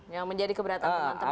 yang menjadi keberatan teman teman